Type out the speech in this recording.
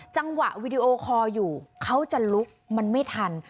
จังหวะวิดีโอคอร์อยู่เขาจะลุกมันไม่ทัน